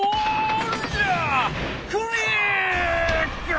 クリック！